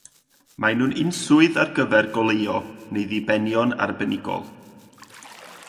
Mae'n nhw'n unswydd ar gyfer goleuo neu ddibenion arbenigol.